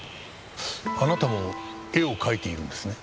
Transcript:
あなたも絵を描いているんですね？